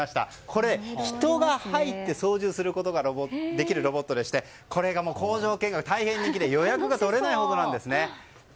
人が入って操縦することができるロボットでしてこれが工場見学、大変人気で予約が取れないほどなんですね。